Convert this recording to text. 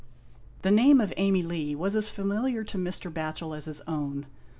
The name of Amey Lee was as familiar to Mr. Batchel as his own.